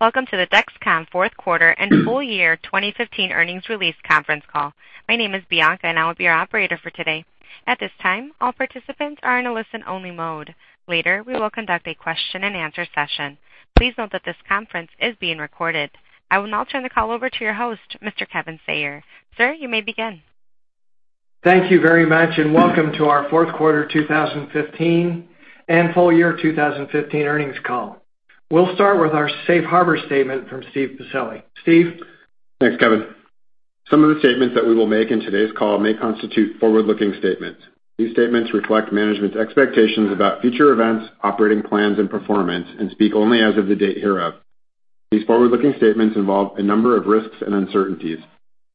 Welcome to the Dexcom fourth quarter and full year 2015 earnings release conference call. My name is Bianca and I will be your operator for today. At this time, all participants are in a listen-only mode. Later, we will conduct a question-and-answer session. Please note that this conference is being recorded. I will now turn the call over to your host, Mr. Kevin Sayer. Sir, you may begin. Thank you very much, and welcome to our fourth quarter 2015 and full year 2015 earnings call. We'll start with our Safe Harbor Statement from Steve Pacelli. Steve? Thanks, Kevin. Some of the statements that we will make in today's call may constitute forward-looking statements. These statements reflect management's expectations about future events, operating plans, and performance and speak only as of the date hereof. These forward-looking statements involve a number of risks and uncertainties.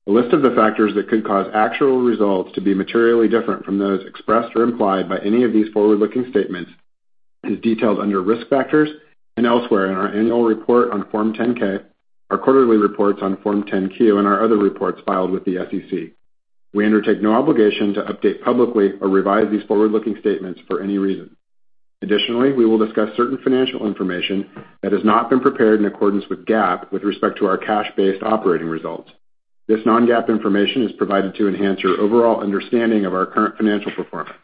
A list of the factors that could cause actual results to be materially different from those expressed or implied by any of these forward-looking statements is detailed under Risk Factors and elsewhere in our annual report on Form 10-K, our quarterly reports on Form 10-Q, and our other reports filed with the SEC. We undertake no obligation to update publicly or revise these forward-looking statements for any reason. Additionally, we will discuss certain financial information that has not been prepared in accordance with GAAP with respect to our cash-based operating results. This non-GAAP information is provided to enhance your overall understanding of our current financial performance.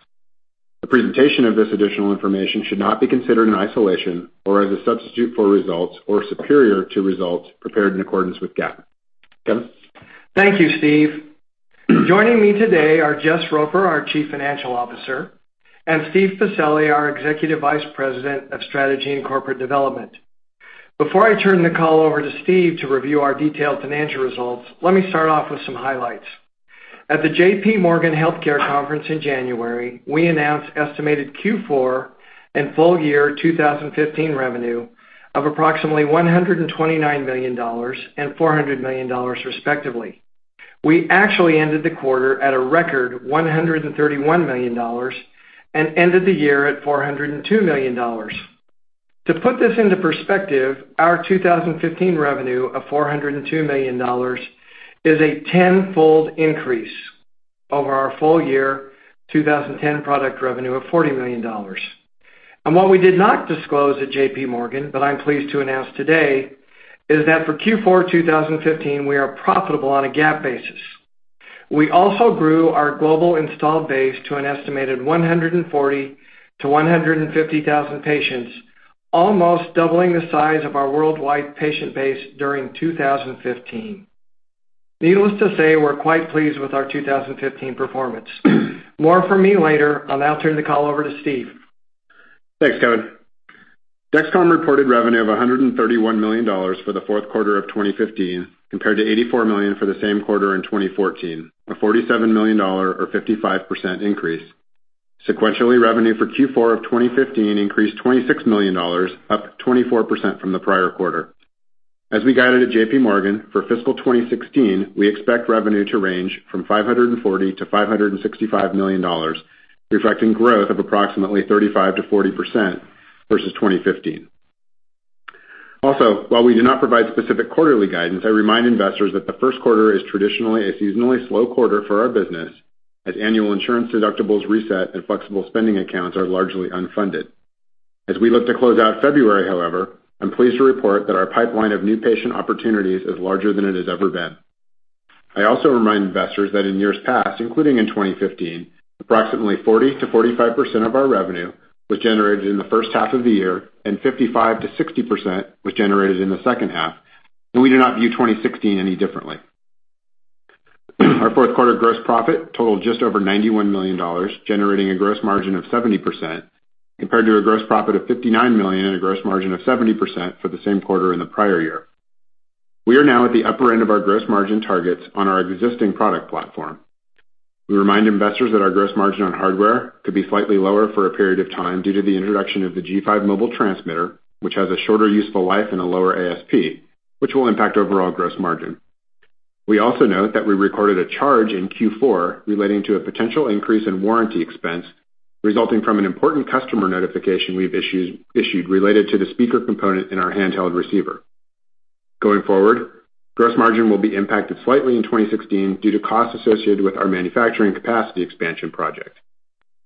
The presentation of this additional information should not be considered in isolation or as a substitute for results or superior to results prepared in accordance with GAAP. Kevin? Thank you, Steve. Joining me today are Jess Roper, our Chief Financial Officer, and Steve Pacelli, our Executive Vice President of Strategy and Corporate Development. Before I turn the call over to Steve to review our detailed financial results, let me start off with some highlights. At the JPMorgan Healthcare Conference in January, we announced estimated Q4 and full year 2015 revenue of approximately $129 million and $400 million, respectively. We actually ended the quarter at a record $131 million and ended the year at $402 million. To put this into perspective, our 2015 revenue of $402 million is a tenfold increase over our full year 2010 product revenue of $40 million. What we did not disclose at JPMorgan, but I'm pleased to announce today, is that for Q4 2015, we are profitable on a GAAP basis. We also grew our global installed base to an estimated 140,000-150,000 patients, almost doubling the size of our worldwide patient base during 2015. Needless to say, we're quite pleased with our 2015 performance. More from me later. I'll now turn the call over to Steve. Thanks, Kevin. Dexcom reported revenue of $131 million for the fourth quarter of 2015 compared to $84 million for the same quarter in 2014, a $47 million or 55% increase. Sequentially, revenue for Q4 of 2015 increased $26 million, up 24% from the prior quarter. As we guided at JPMorgan, for fiscal 2016, we expect revenue to range from $540 million-$565 million, reflecting growth of approximately 35%-40% versus 2015. Also, while we do not provide specific quarterly guidance, I remind investors that the first quarter is traditionally a seasonally slow quarter for our business as annual insurance deductibles reset and flexible spending accounts are largely unfunded. As we look to close out February, however, I'm pleased to report that our pipeline of new patient opportunities is larger than it has ever been. I also remind investors that in years past, including in 2015, approximately 40%-45% of our revenue was generated in the first half of the year and 55%-60% was generated in the second half, and we do not view 2016 any differently. Our fourth quarter gross profit totaled just over $91 million, generating a gross margin of 70% compared to a gross profit of $59 million and a gross margin of 70% for the same quarter in the prior year. We are now at the upper end of our gross margin targets on our existing product platform. We remind investors that our gross margin on hardware could be slightly lower for a period of time due to the introduction of the G5 Mobile transmitter, which has a shorter useful life and a lower ASP, which will impact overall gross margin. We also note that we recorded a charge in Q4 relating to a potential increase in warranty expense resulting from an important customer notification we've issued related to the speaker component in our handheld receiver. Going forward, gross margin will be impacted slightly in 2016 due to costs associated with our manufacturing capacity expansion project.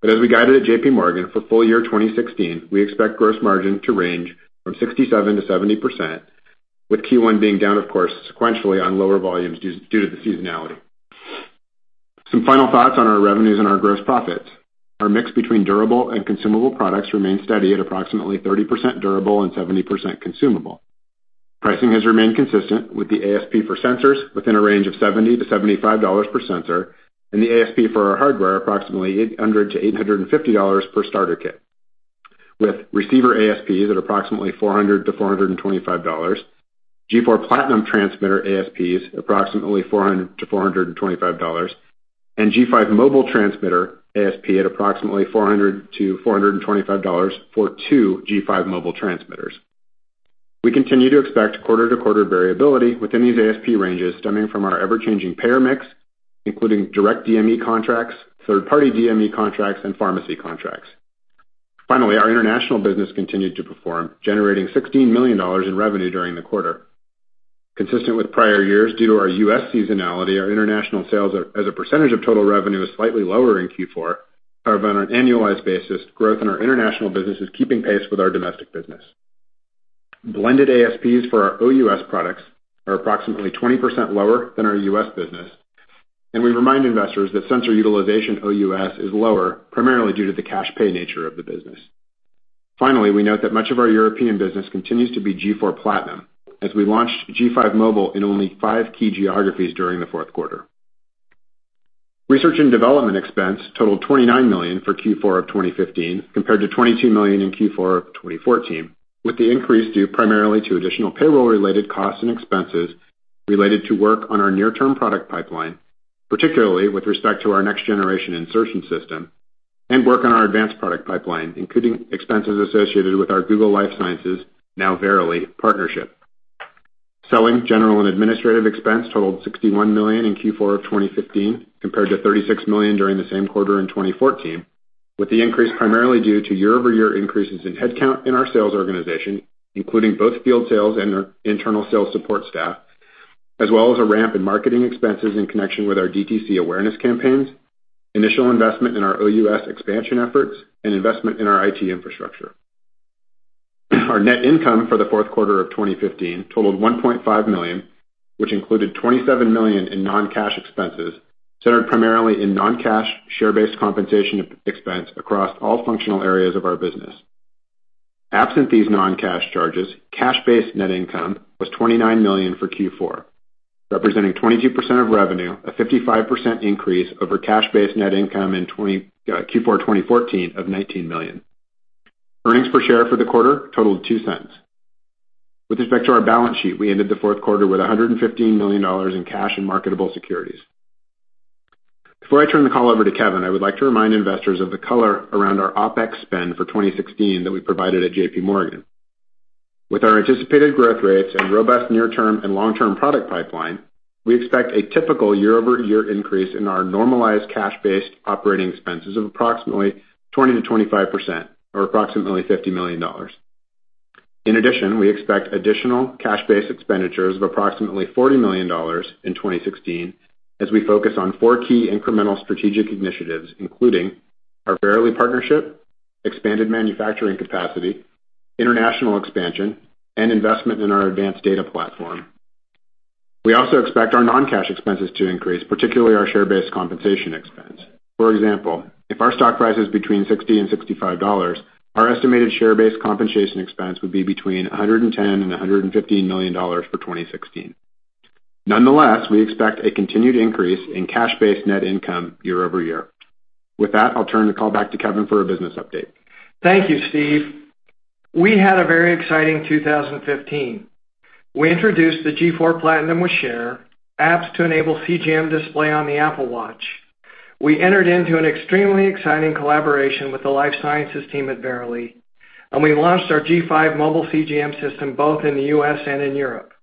As we guided at JPMorgan for full year 2016, we expect gross margin to range from 67%-70%, with Q1 being down, of course, sequentially on lower volumes due to the seasonality. Some final thoughts on our revenues and our gross profits. Our mix between durable and consumable products remains steady at approximately 30% durable and 70% consumable. Pricing has remained consistent with the ASP for sensors within a range of $70-$75 per sensor and the ASP for our hardware approximately $800-$850 per starter kit. With receiver ASPs at approximately $400-$425, G4 Platinum transmitter ASPs approximately $400-$425, and G5 Mobile transmitter ASP at approximately $400-$425 for two G5 Mobile transmitters. We continue to expect quarter-to-quarter variability within these ASP ranges stemming from our ever-changing payer mix, including direct DME contracts, third-party DME contracts, and pharmacy contracts. Finally, our international business continued to perform, generating $16 million in revenue during the quarter. Consistent with prior years, due to our U.S. seasonality, our international sales as a percentage of total revenue is slightly lower in Q4. However, on an annualized basis, growth in our international business is keeping pace with our domestic business. Blended ASPs for our OUS products are approximately 20% lower than our U.S. business, and we remind investors that sensor utilization OUS is lower primarily due to the cash pay nature of the business. Finally, we note that much of our European business continues to be G4 Platinum as we launched G5 Mobile in only five key geographies during the fourth quarter. Research and development expense totaled $29 million for Q4 of 2015 compared to $22 million in Q4 of 2014, with the increase due primarily to additional payroll-related costs and expenses related to work on our near-term product pipeline, particularly with respect to our next-generation insertion system and work on our advanced product pipeline, including expenses associated with our Google Life Sciences, now Verily, partnership. Selling general and administrative expense totaled $61 million in Q4 of 2015 compared to $36 million during the same quarter in 2014, with the increase primarily due to year-over-year increases in headcount in our sales organization, including both field sales and our internal sales support staff, as well as a ramp in marketing expenses in connection with our DTC awareness campaigns, initial investment in our OUS expansion efforts and investment in our IT infrastructure. Our net income for the fourth quarter of 2015 totaled $1.5 million, which included $27 million in non-cash expenses centered primarily in non-cash share-based compensation expense across all functional areas of our business. Absent these non-cash charges, cash-based net income was $29 million for Q4, representing 22% of revenue, a 55% increase over cash-based net income in Q4 2014 of $19 million. Earnings per share for the quarter totaled $0.02. With respect to our balance sheet, we ended the fourth quarter with $115 million in cash and marketable securities. Before I turn the call over to Kevin, I would like to remind investors of the color around our OpEx spend for 2016 that we provided at JPMorgan. With our anticipated growth rates and robust near-term and long-term product pipeline, we expect a typical year-over-year increase in our normalized cash-based operating expenses of approximately 20%-25% or approximately $50 million. In addition, we expect additional cash-based expenditures of approximately $40 million in 2016 as we focus on four key incremental strategic initiatives, including our Verily partnership, expanded manufacturing capacity, international expansion, and investment in our advanced data platform. We also expect our non-cash expenses to increase, particularly our share-based compensation expense. For example, if our stock price is between $60 and $65, our estimated share-based compensation expense would be between $110 million and $115 million for 2016. Nonetheless, we expect a continued increase in cash-based net income year over year. With that, I'll turn the call back to Kevin for a business update. Thank you, Steve. We had a very exciting 2015. We introduced the G4 Platinum with Share apps to enable CGM display on the Apple Watch. We entered into an extremely exciting collaboration with the life sciences team at Verily, and we launched our G5 Mobile CGM system both in the U.S. and in Europe,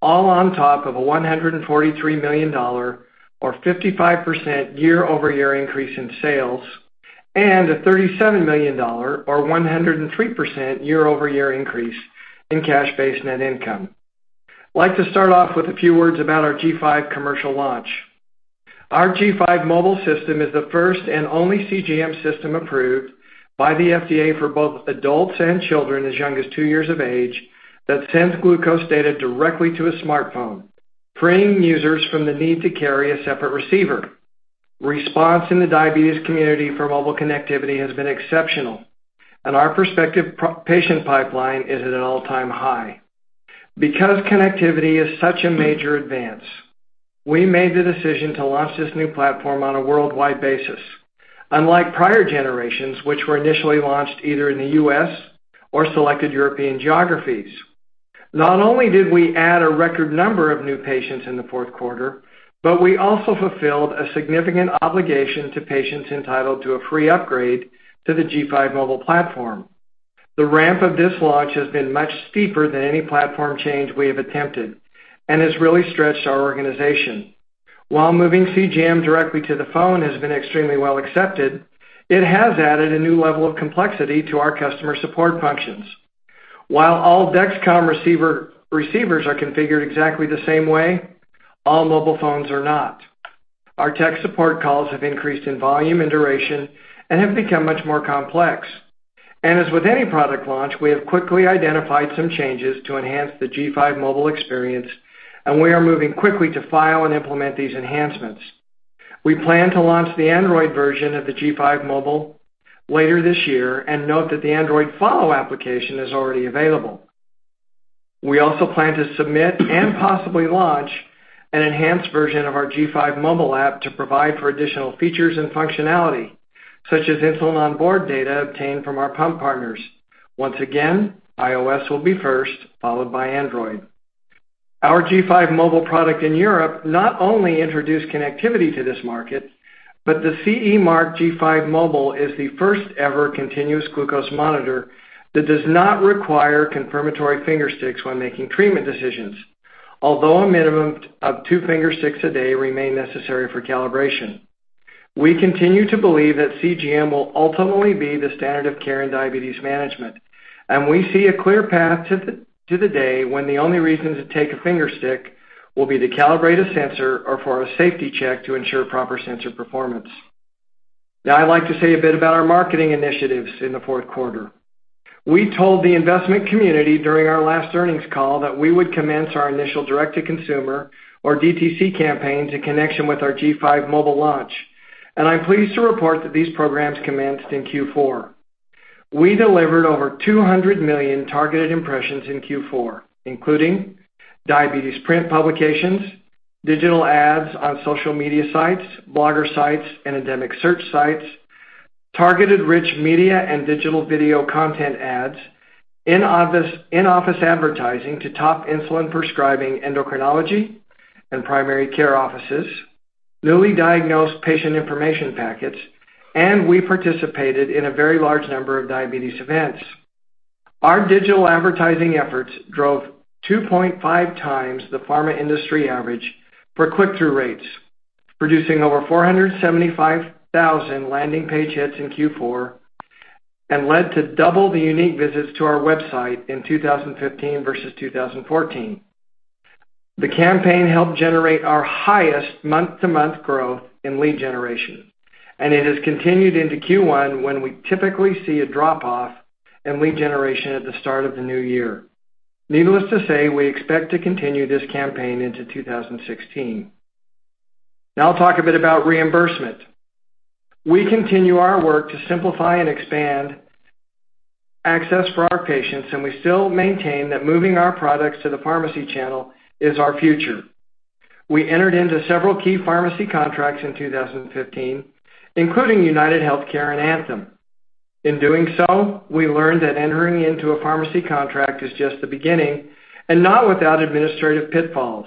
all on top of a $143 million or 55% year-over-year increase in sales and a $37 million or 103% year-over-year increase in cash-based net income. I'd like to start off with a few words about our G5 commercial launch. Our G5 Mobile system is the first and only CGM system approved by the FDA for both adults and children as young as two years of age that sends glucose data directly to a smartphone, freeing users from the need to carry a separate receiver. Response in the diabetes community for mobile connectivity has been exceptional, and our prospective patient pipeline is at an all-time high. Because connectivity is such a major advance, we made the decision to launch this new platform on a worldwide basis, unlike prior generations, which were initially launched either in the U.S. or selected European geographies. Not only did we add a record number of new patients in the fourth quarter, but we also fulfilled a significant obligation to patients entitled to a free upgrade to the G5 Mobile platform. The ramp of this launch has been much steeper than any platform change we have attempted and has really stretched our organization. While moving CGM directly to the phone has been extremely well-accepted, it has added a new level of complexity to our customer support functions. While all Dexcom receivers are configured exactly the same way, all mobile phones are not. Our tech support calls have increased in volume and duration and have become much more complex. As with any product launch, we have quickly identified some changes to enhance the G5 Mobile experience, and we are moving quickly to file and implement these enhancements. We plan to launch the Android version of the G5 Mobile later this year and note that the Android Follow application is already available. We also plan to submit and possibly launch an enhanced version of our G5 Mobile app to provide for additional features and functionality, such as insulin on board data obtained from our pump partners. Once again, iOS will be first, followed by Android. Our G5 Mobile product in Europe not only introduced connectivity to this market, but the CE Mark G5 Mobile is the first ever continuous glucose monitor that does not require confirmatory finger sticks when making treatment decisions, although a minimum of two finger sticks a day remain necessary for calibration. We continue to believe that CGM will ultimately be the standard of care in diabetes management, and we see a clear path to the day when the only reason to take a finger stick will be to calibrate a sensor or for a safety check to ensure proper sensor performance. Now I'd like to say a bit about our marketing initiatives in the fourth quarter. We told the investment community during our last earnings call that we would commence our initial direct-to-consumer, or DTC campaign, in connection with our G5 Mobile launch, and I'm pleased to report that these programs commenced in Q4. We delivered over 200 million targeted impressions in Q4, including diabetes print publications, digital ads on social media sites, blogger sites, and endemic search sites, targeted rich media and digital video content ads, in-office advertising to top insulin prescribing endocrinology and primary care offices, newly diagnosed patient information packets, and we participated in a very large number of diabetes events. Our digital advertising efforts drove 2.5 times the pharma industry average for click-through rates, producing over 475,000 landing page hits in Q4, and led to double the unique visits to our website in 2015 versus 2014. The campaign helped generate our highest month-to-month growth in lead generation, and it has continued into Q1, when we typically see a drop-off in lead generation at the start of the new year. Needless to say, we expect to continue this campaign into 2016. Now I'll talk a bit about reimbursement. We continue our work to simplify and expand access for our patients, and we still maintain that moving our products to the pharmacy channel is our future. We entered into several key pharmacy contracts in 2015, including UnitedHealthcare and Anthem. In doing so, we learned that entering into a pharmacy contract is just the beginning and not without administrative pitfalls.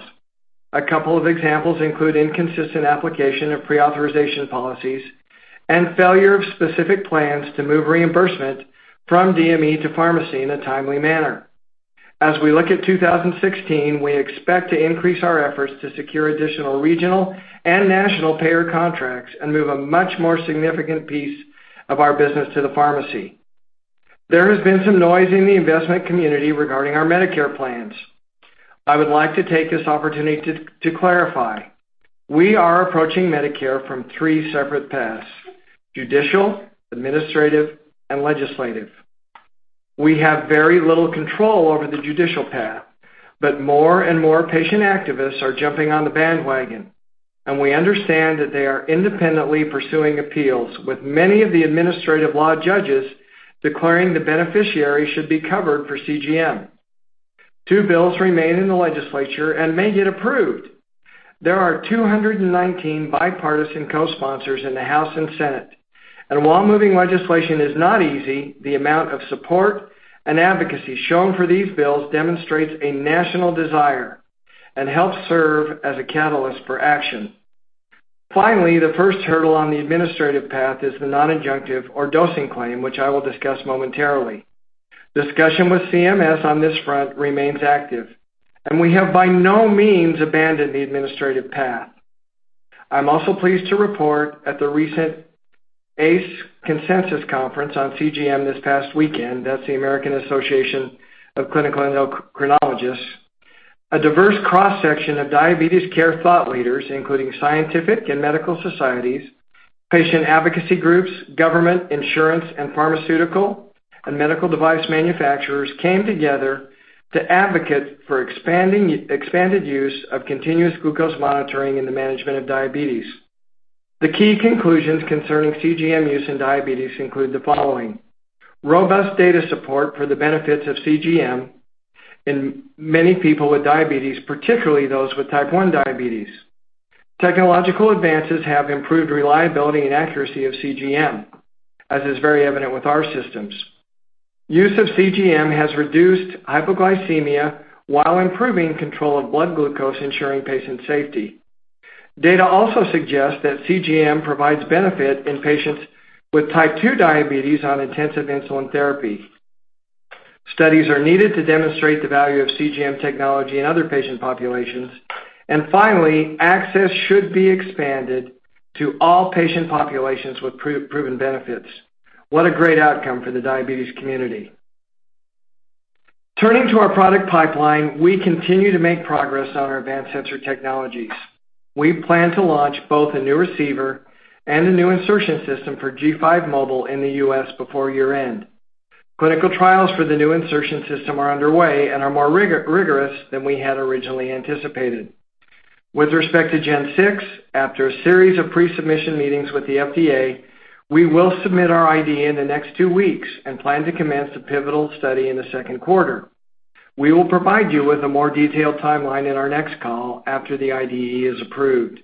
A couple of examples include inconsistent application of pre-authorization policies and failure of specific plans to move reimbursement from DME to pharmacy in a timely manner. As we look at 2016, we expect to increase our efforts to secure additional regional and national payer contracts and move a much more significant piece of our business to the pharmacy. There has been some noise in the investment community regarding our Medicare plans. I would like to take this opportunity to clarify. We are approaching Medicare from three separate paths: judicial, administrative, and legislative. We have very little control over the judicial path, but more and more patient activists are jumping on the bandwagon, and we understand that they are independently pursuing appeals, with many of the administrative law judges declaring the beneficiary should be covered for CGM. Two bills remain in the legislature and may get approved. There are 219 bipartisan co-sponsors in the House and Senate, and while moving legislation is not easy, the amount of support and advocacy shown for these bills demonstrates a national desire and helps serve as a catalyst for action. Finally, the first hurdle on the administrative path is the non-adjunctive or dosing claim, which I will discuss momentarily. Discussion with CMS on this front remains active, and we have by no means abandoned the administrative path. I'm also pleased to report at the recent AACE Consensus Conference on CGM this past weekend, that's the American Association of Clinical Endocrinologists, a diverse cross-section of diabetes care thought leaders, including scientific and medical societies, patient advocacy groups, government, insurance, and pharmaceutical and medical device manufacturers, came together to advocate for expanded use of continuous glucose monitoring in the management of diabetes. The key conclusions concerning CGM use in diabetes include the following: Robust data support for the benefits of CGM in many people with diabetes, particularly those with type 1 diabetes. Technological advances have improved reliability and accuracy of CGM, as is very evident with our systems. Use of CGM has reduced hypoglycemia while improving control of blood glucose, ensuring patient safety. Data also suggests that CGM provides benefit in patients with type 2 diabetes on intensive insulin therapy. Studies are needed to demonstrate the value of CGM technology in other patient populations. Finally, access should be expanded to all patient populations with proven benefits. What a great outcome for the diabetes community. Turning to our product pipeline, we continue to make progress on our advanced sensor technologies. We plan to launch both a new receiver and a new insertion system for G5 Mobile in the U.S. before year-end. Clinical trials for the new insertion system are underway and are more rigorous than we had originally anticipated. With respect to Gen 6, after a series of pre-submission meetings with the FDA, we will submit our IDE in the next two weeks and plan to commence the pivotal study in the second quarter. We will provide you with a more detailed timeline in our next call after the IDE is approved.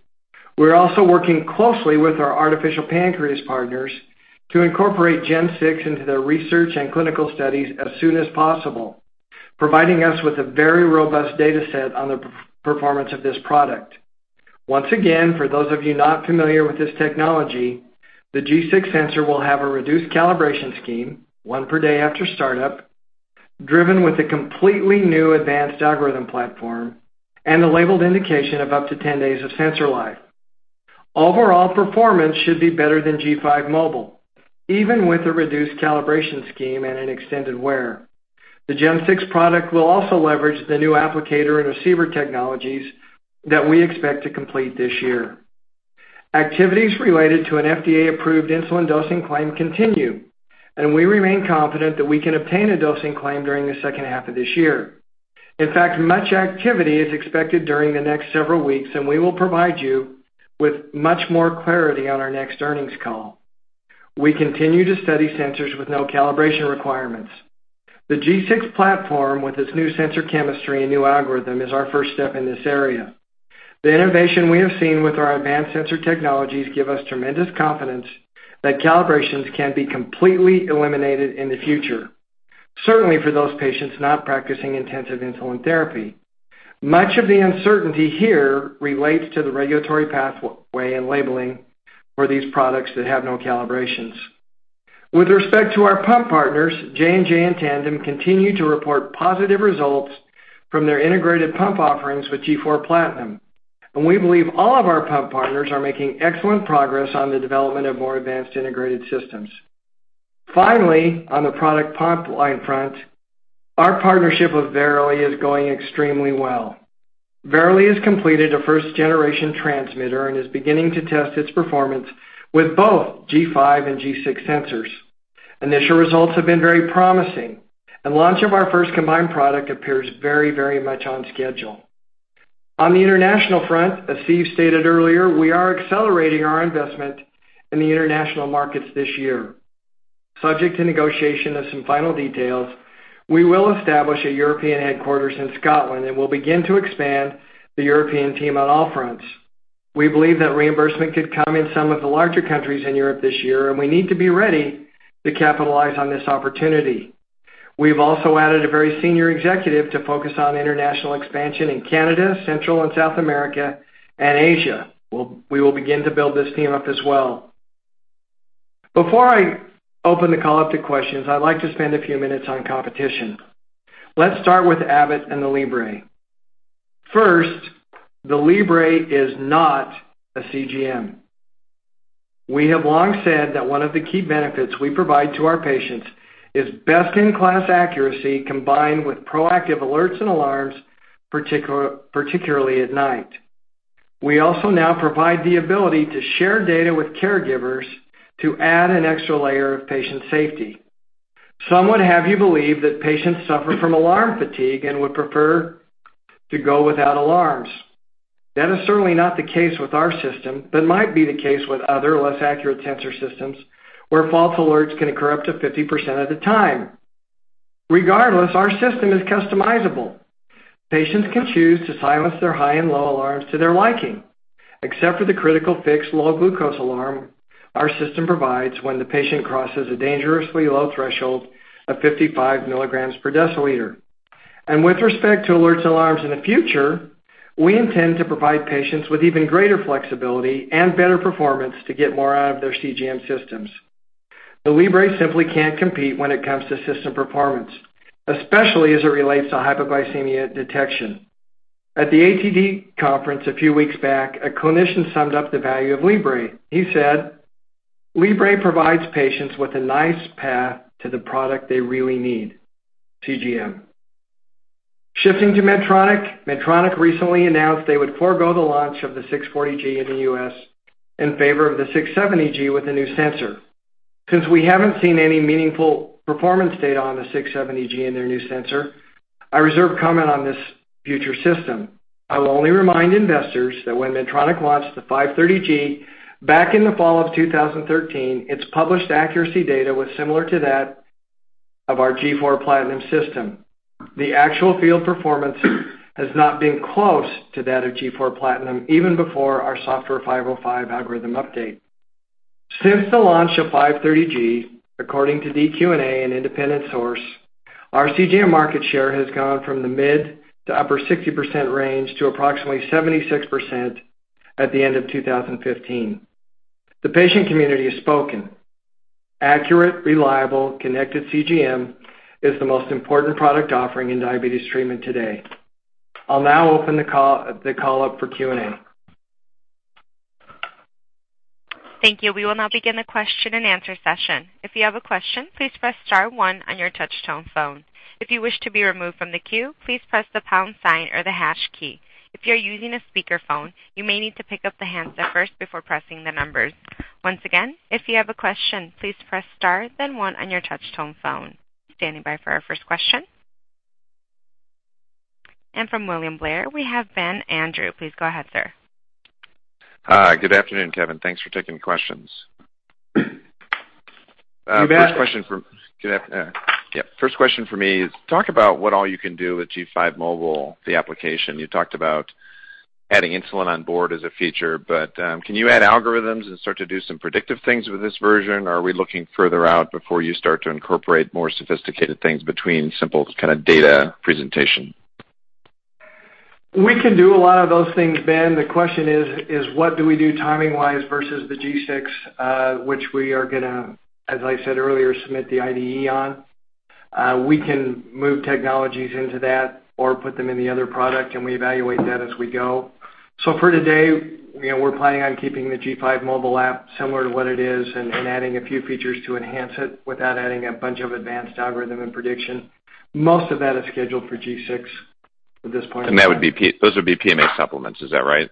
We're also working closely with our artificial pancreas partners to incorporate Gen 6 into their research and clinical studies as soon as possible, providing us with a very robust data set on the performance of this product. Once again, for those of you not familiar with this technology, the G6 sensor will have a reduced calibration scheme, one per day after startup. Driven with a completely new advanced algorithm platform and a labeled indication of up to 10 days of sensor life. Overall performance should be better than G5 Mobile, even with a reduced calibration scheme and an extended wear. The Gen 6 product will also leverage the new applicator and receiver technologies that we expect to complete this year. Activities related to an FDA-approved insulin dosing claim continue, and we remain confident that we can obtain a dosing claim during the second half of this year. In fact, much activity is expected during the next several weeks, and we will provide you with much more clarity on our next earnings call. We continue to study sensors with no calibration requirements. The G6 platform, with its new sensor chemistry and new algorithm, is our first step in this area. The innovation we have seen with our advanced sensor technologies give us tremendous confidence that calibrations can be completely eliminated in the future, certainly for those patients not practicing intensive insulin therapy. Much of the uncertainty here relates to the regulatory pathway and labeling for these products that have no calibrations. With respect to our pump partners, J&J and Tandem continue to report positive results from their integrated pump offerings with G4 Platinum, and we believe all of our pump partners are making excellent progress on the development of more advanced integrated systems. Finally, on the product pipeline front, our partnership with Verily is going extremely well. Verily has completed a first-generation transmitter and is beginning to test its performance with both G5 and G6 sensors. Initial results have been very promising, and launch of our first combined product appears very, very much on schedule. On the international front, as Steve stated earlier, we are accelerating our investment in the international markets this year. Subject to negotiation of some final details, we will establish a European headquarters in Scotland, and we'll begin to expand the European team on all fronts. We believe that reimbursement could come in some of the larger countries in Europe this year, and we need to be ready to capitalize on this opportunity. We've also added a very senior executive to focus on international expansion in Canada, Central and South America and Asia. We will begin to build this team up as well. Before I open the call up to questions, I'd like to spend a few minutes on competition. Let's start with Abbott and the Libre. First, the Libre is not a CGM. We have long said that one of the key benefits we provide to our patients is best-in-class accuracy combined with proactive alerts and alarms, particularly at night. We also now provide the ability to share data with caregivers to add an extra layer of patient safety. Some would have you believe that patients suffer from alarm fatigue and would prefer to go without alarms. That is certainly not the case with our system, but might be the case with other less accurate sensor systems where false alerts can occur up to 50% of the time. Regardless, our system is customizable. Patients can choose to silence their high and low alarms to their liking. Except for the critical fixed low glucose alarm our system provides when the patient crosses a dangerously low threshold of 55 mg per deciliter. With respect to alerts and alarms in the future, we intend to provide patients with even greater flexibility and better performance to get more out of their CGM systems. The Libre simply can't compete when it comes to system performance, especially as it relates to hypoglycemia detection. At the ATTD conference a few weeks back, a clinician summed up the value of Libre. He said, "Libre provides patients with a nice path to the product they really need, CGM." Shifting to Medtronic. Medtronic recently announced they would forego the launch of the 640G in the U.S. in favor of the 670G with a new sensor. Since we haven't seen any meaningful performance data on the 670G and their new sensor, I reserve comment on this future system. I will only remind investors that when Medtronic launched the 530G back in the fall of 2013, its published accuracy data was similar to that of our G4 Platinum system. The actual field performance has not been close to that of G4 Platinum, even before our Software 505 algorithm update. Since the launch of 530G, according to dQ&A, an independent source, our CGM market share has gone from the mid- to upper 60% range to approximately 76% at the end of 2015. The patient community has spoken. Accurate, reliable, connected CGM is the most important product offering in diabetes treatment today. I'll now open the call up for Q&A. Thank you. We will now begin the question-and-answer session. If you have a question, please press star one on your touch-tone phone. If you wish to be removed from the queue, please press the pound sign or the hash key. If you're using a speakerphone, you may need to pick up the handset first before pressing the numbers. Once again, if you have a question, please press star then one on your touch-tone phone. Standing by for our first question. From William Blair, we have Ben Andrew. Please go ahead, sir. Hi, good afternoon, Kevin. Thanks for taking the questions. You bet. First question for me is talk about what all you can do with G5 Mobile, the application. You talked about adding insulin on board as a feature, but can you add algorithms and start to do some predictive things with this version? Or are we looking further out before you start to incorporate more sophisticated things between simple kind of data presentation? We can do a lot of those things, Ben. The question is what do we do timing-wise versus the G6, which we are gonna, as I said earlier, submit the IDE on. We can move technologies into that or put them in the other product, and we evaluate that as we go. For today, you know, we're planning on keeping the G5 Mobile app similar to what it is and adding a few features to enhance it without adding a bunch of advanced algorithm and prediction. Most of that is scheduled for G6 at this point in time. Those would be PMA supplements. Is that right?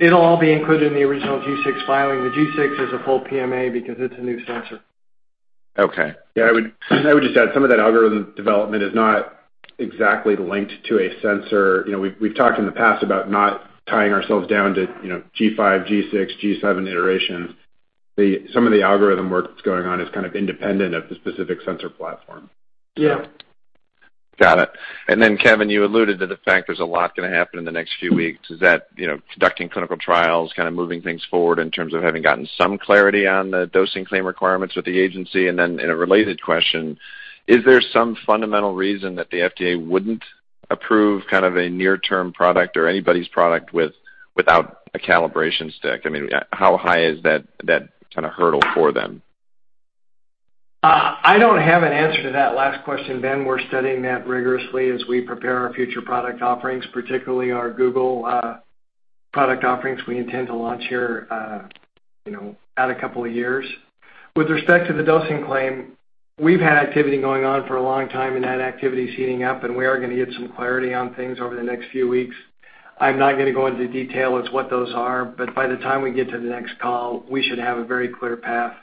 It'll all be included in the original G6 filing. The G6 is a full PMA because it's a new sensor. Okay. Yeah. I would just add, some of that algorithm development is not exactly linked to a sensor. You know, we've talked in the past about not tying ourselves down to, you know, G5, G6, G7 iterations. Some of the algorithm work that's going on is kind of independent of the specific sensor platform. Yeah. Got it. Then, Kevin, you alluded to the fact there's a lot gonna happen in the next few weeks. Is that, you know, conducting clinical trials, kind of moving things forward in terms of having gotten some clarity on the dosing claim requirements with the agency? Then in a related question, is there some fundamental reason that the FDA wouldn't approve kind of a near-term product or anybody's product without a calibration stick? I mean, how high is that kinda hurdle for them? I don't have an answer to that last question, Ben. We're studying that rigorously as we prepare our future product offerings, particularly our Google product offerings we intend to launch here, you know, in a couple of years. With respect to the dosing claim, we've had activity going on for a long time, and that activity is heating up, and we are gonna get some clarity on things over the next few weeks. I'm not gonna go into detail on what those are, but by the time we get to the next call, we should have a very clear path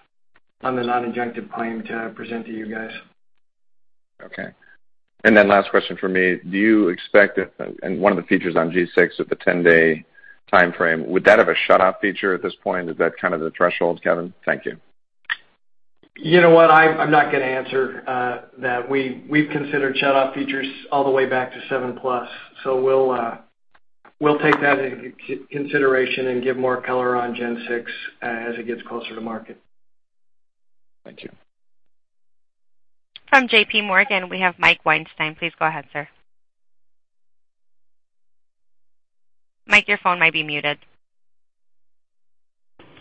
on the non-adjunctive claim to present to you guys. Okay. Last question from me. Do you expect that, and one of the features on G6 with the 10-day timeframe, would that have a shutoff feature at this point? Is that kind of the threshold, Kevin? Thank you. You know what? I'm not gonna answer that. We've considered shutoff features all the way back to Seven Plus. We'll take that into consideration and give more color on G6 as it gets closer to market. Thank you. From JPMorgan, we have Mike Weinstein. Please go ahead, sir. Mike, your phone might be muted.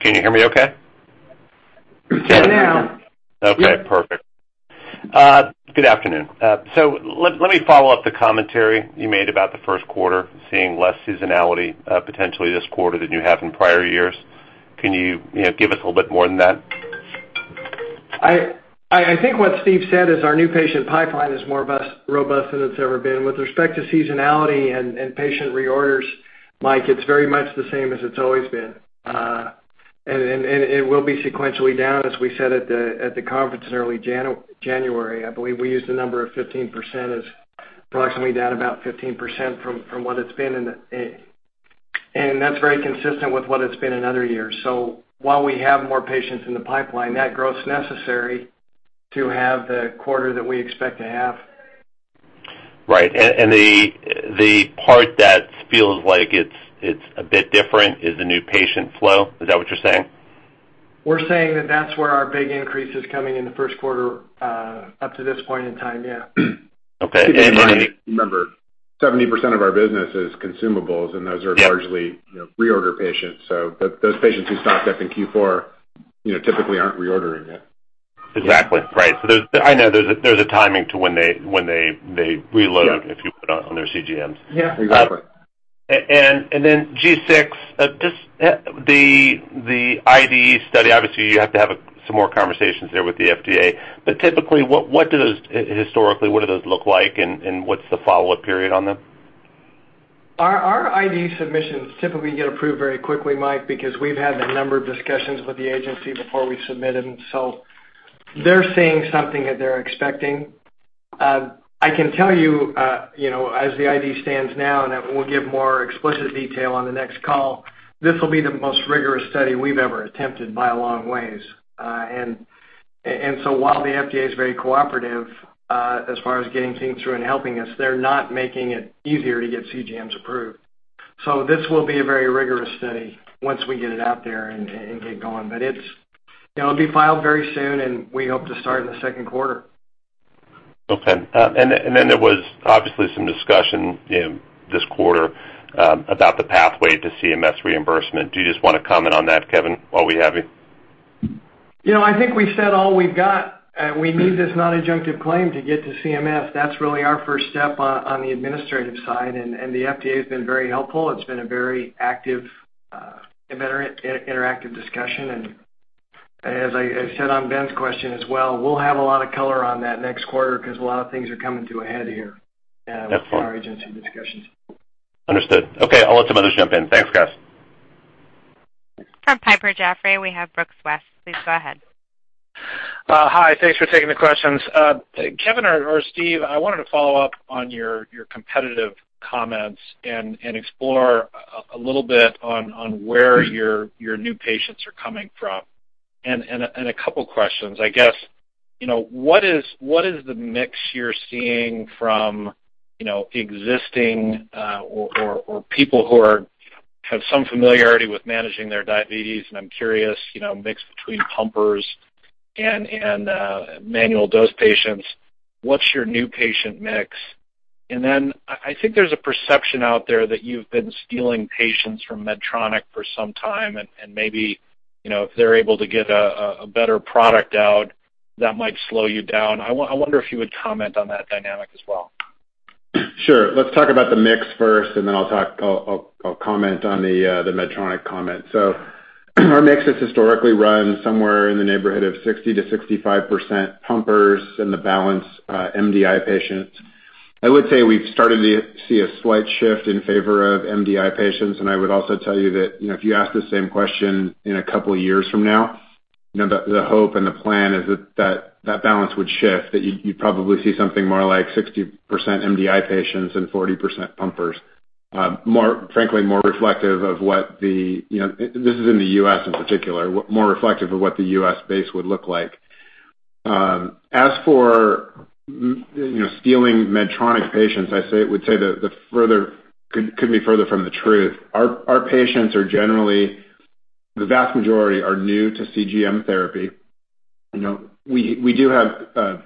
Can you hear me okay? Yes. Now. Okay. Perfect. Good afternoon. Let me follow up the commentary you made about the first quarter, seeing less seasonality, potentially this quarter than you have in prior years. Can you know, give us a little bit more than that? I think what Steve said is our new patient pipeline is more robust than it's ever been. With respect to seasonality and patient reorders, Mike, it's very much the same as it's always been. It will be sequentially down, as we said at the conference in early January. I believe we used the number of 15% as approximately down about 15% from what it's been in it. That's very consistent with what it's been in other years. While we have more patients in the pipeline, that growth's necessary to have the quarter that we expect to have. Right. The part that feels like it's a bit different is the new patient flow. Is that what you're saying? We're saying that that's where our big increase is coming in the first quarter up to this point in time. Okay. Remember, 70% of our business is consumables, and those are largely. Yeah. You know, reorder patients. Those patients who stocked up in Q4, you know, typically aren't reordering yet. Exactly. Right. I know there's a timing to when they reload. Yeah. If you put on their CGMs. Yeah. Exactly. G6 just the IDE study, obviously, you have to have some more conversations there with the FDA. Typically, what do those historically look like, and what's the follow-up period on them? Our IDE submissions typically get approved very quickly, Mike, because we've had a number of discussions with the agency before we submit them. They're seeing something that they're expecting. I can tell you know, as the IDE stands now, and we'll give more explicit detail on the next call, this will be the most rigorous study we've ever attempted by a long ways. While the FDA is very cooperative, as far as getting things through and helping us, they're not making it easier to get CGMs approved. This will be a very rigorous study once we get it out there and get going. It's, you know, it'll be filed very soon, and we hope to start in the second quarter. Okay. There was obviously some discussion in this quarter about the pathway to CMS reimbursement. Do you just wanna comment on that, Kevin, while we have you? You know, I think we said all we've got. We need this non-adjunctive claim to get to CMS. That's really our first step on the administrative side. The FDA has been very helpful. It's been a very active, interactive discussion. As I said on Ben's question as well, we'll have a lot of color on that next quarter because a lot of things are coming to a head here. That's fine. With our agency discussions. Understood. Okay, I'll let some others jump in. Thanks, guys. From Piper Jaffray, we have Brooks West. Please go ahead. Hi. Thanks for taking the questions. Kevin or Steve, I wanted to follow up on your competitive comments and explore a little bit on where your new patients are coming from, a couple questions. I guess, you know, what is the mix you're seeing from, you know, existing or people who are Have some familiarity with managing their diabetes, and I'm curious, you know, mixed between pumpers and manual dose patients. What's your new patient mix? Then I think there's a perception out there that you've been stealing patients from Medtronic for some time, and maybe, you know, if they're able to get a better product out, that might slow you down. I wonder if you would comment on that dynamic as well. Sure. Let's talk about the mix first, and then I'll comment on the Medtronic comment. Our mix has historically run somewhere in the neighborhood of 60%-65% pumpers and the balance MDI patients. I would say we've started to see a slight shift in favor of MDI patients, and I would also tell you that, you know, if you ask the same question in a couple of years from now, you know, the hope and the plan is that that balance would shift, that you'd probably see something more like 60% MDI patients and 40% pumpers. Frankly, more reflective of what the U.S. base would look like, you know. This is in the U.S. in particular. As for you know, stealing Medtronic patients, I would say it couldn't be further from the truth. Our patients are generally the vast majority new to CGM therapy. You know, we do have a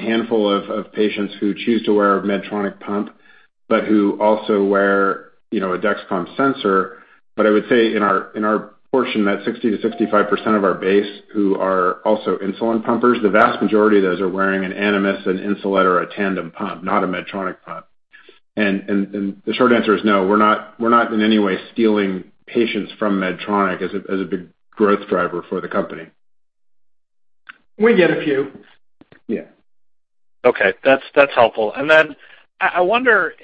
handful of patients who choose to wear a Medtronic pump, but who also wear you know, a Dexcom sensor. I would say in our portion that 60%-65% of our base who are also insulin pumpers, the vast majority of those are wearing an Animas, an Insulet or a Tandem pump, not a Medtronic pump. The short answer is no, we're not in any way stealing patients from Medtronic as a big growth driver for the company. We get a few. Yeah. Okay. That's helpful. Then I wonder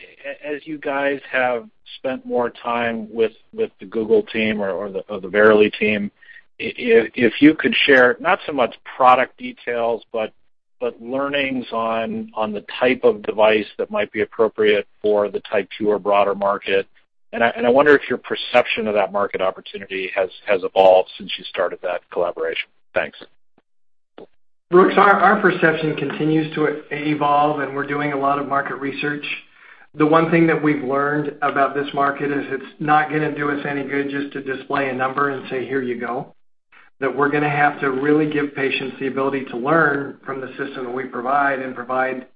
as you guys have spent more time with the Google team or the Verily team, if you could share not so much product details, but learnings on the type of device that might be appropriate for the type 2 diabetes or broader market. I wonder if your perception of that market opportunity has evolved since you started that collaboration. Thanks. Brooks, our perception continues to evolve, and we're doing a lot of market research. The one thing that we've learned about this market is it's not gonna do us any good just to display a number and say, "Here you go." That we're gonna have to really give patients the ability to learn from the system that we provide and provide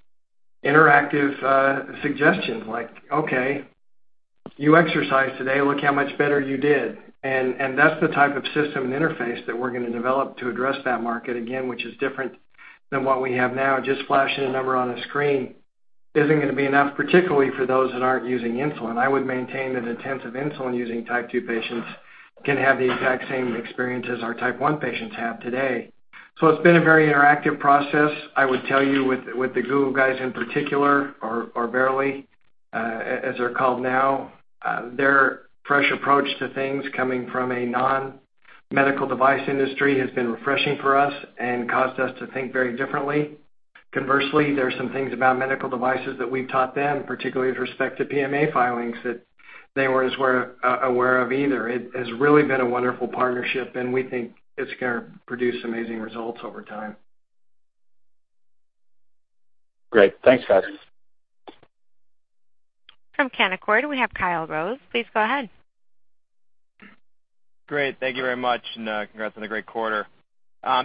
interactive suggestions like, "Okay, you exercised today, look how much better you did." That's the type of system and interface that we're gonna develop to address that market, again, which is different than what we have now. Just flashing a number on a screen isn't gonna be enough, particularly for those that aren't using insulin. I would maintain that intensive insulin-using type 2 patients can have the exact same experience as our type 1 patients have today. It's been a very interactive process, I would tell you, with the Google guys in particular or Verily, as they're called now. Their fresh approach to things coming from a non-medical device industry has been refreshing for us and caused us to think very differently. Conversely, there are some things about medical devices that we've taught them, particularly with respect to PMA filings that they weren't as aware of either. It has really been a wonderful partnership, and we think it's gonna produce amazing results over time. Great. Thanks, guys. From Canaccord, we have Kyle Rose. Please go ahead. Great. Thank you very much, and congrats on a great quarter.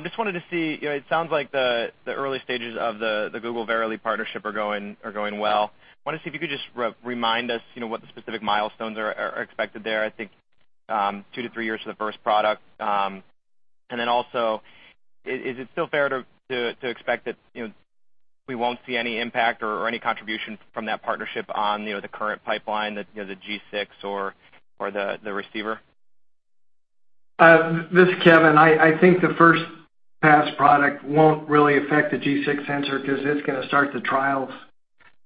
Just wanted to see, you know, it sounds like the early stages of the Google Verily partnership are going well. Wanna see if you could just remind us, you know, what the specific milestones are expected there. I thinktwo to three years for the first product. Is it still fair to expect that, you know, we won't see any impact or any contribution from that partnership on, you know, the current pipeline that, you know, the G6 or the receiver? This is Kevin. I think the first pass product won't really affect the G6 sensor 'cause it's gonna start the trials,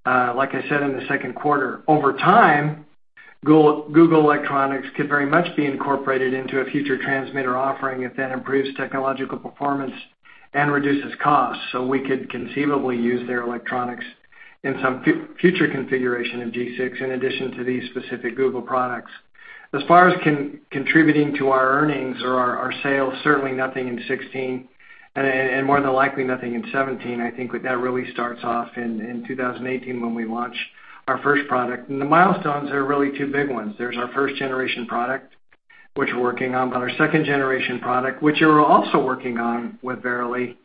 like I said, in the second quarter. Over time, Google electronics could very much be incorporated into a future transmitter offering if that improves technological performance and reduces costs. We could conceivably use their electronics in some future configuration of G6 in addition to these specific Google products. As far as contributing to our earnings or our sales, certainly nothing in 2016, and more than likely nothing in 2017. I think what that really starts off in 2018 when we launch our first product. The milestones are really two big ones. There's our first generation product, which we're working on, but our second generation product, which we're also working on with Verily.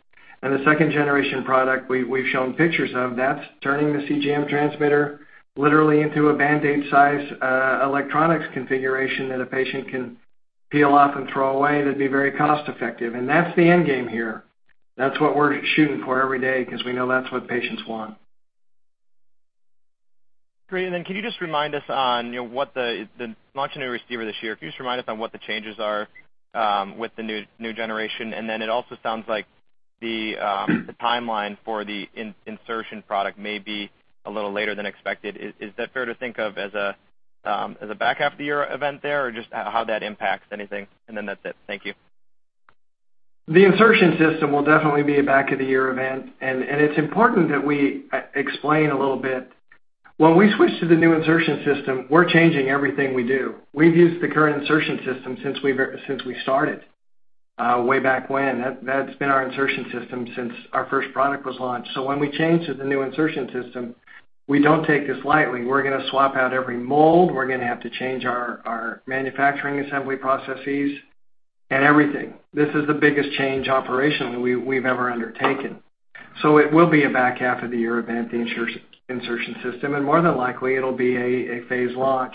The second generation product we've shown pictures of, that's turning the CGM transmitter literally into a Band-Aid size electronics configuration that a patient can peel off and throw away. That'd be very cost-effective. That's the end game here. That's what we're shooting for every day 'cause we know that's what patients want. Great. Can you just remind us on, you know, what the launching of the receiver this year? Can you just remind us on what the changes are with the new generation? It also sounds like the timeline for the one-insertion product may be a little later than expected. Is that fair to think of as a back half of the year event there, or just how that impacts anything? That's it. Thank you. The insertion system will definitely be a back half of the year event. It's important that we explain a little bit. When we switch to the new insertion system, we're changing everything we do. We've used the current insertion system since we started, way back when. That's been our insertion system since our first product was launched. When we change to the new insertion system, we don't take this lightly. We're gonna swap out every mold. We're gonna have to change our manufacturing assembly processes and everything. This is the biggest change operationally we've ever undertaken. It will be a back half of the year event, the insertion system. More than likely, it'll be a phase launch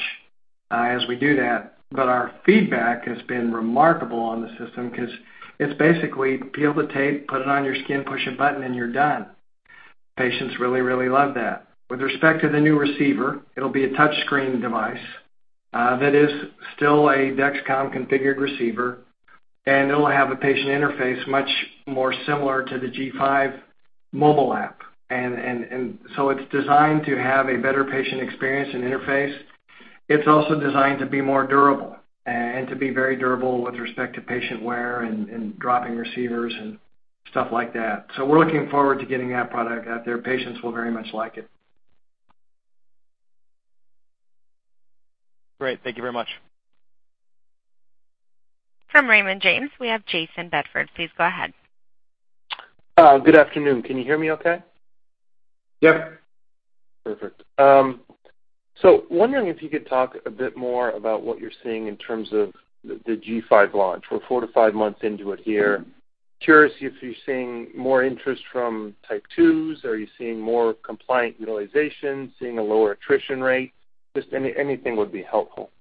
as we do that. Our feedback has been remarkable on the system 'cause it's basically peel the tape, put it on your skin, push a button, and you're done. Patients really, really love that. With respect to the new receiver, it'll be a touch screen device that is still a Dexcom configured receiver, and it'll have a patient interface much more similar to the G5 Mobile app. It's designed to have a better patient experience and interface. It's also designed to be more durable and to be very durable with respect to patient wear and dropping receivers and stuff like that. We're looking forward to getting that product out there. Patients will very much like it. Great. Thank you very much. From Raymond James, we have Jayson Bedford. Please go ahead. Good afternoon. Can you hear me okay? Yep. Perfect. Wondering if you could talk a bit more about what you're seeing in terms of the G5 launch. We're four to five months into it here. Curious if you're seeing more interest from type 2s. Are you seeing more compliant utilization, seeing a lower attrition rate? Just anything would be helpful.